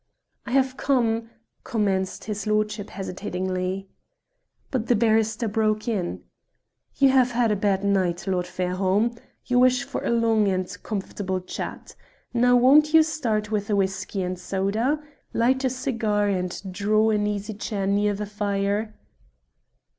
"I have come " commenced his lordship hesitatingly. But the barrister broke in. "You have had a bad night, Lord Fairholme. You wish for a long and comfortable chat. Now, won't you start with a whiskey and soda, light a cigar, and draw an easy chair near the fire?"